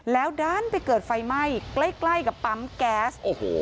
แล้วด้านไปเกิดไฟไหม้ใกล้กับปั๊มแก๊ส